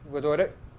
vừa rồi đấy